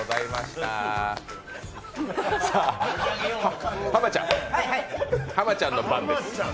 さあ、濱ちゃんの番です。